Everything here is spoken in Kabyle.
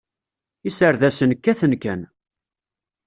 Iserdasen kkaten kan.